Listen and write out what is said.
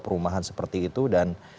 perumahan seperti itu dan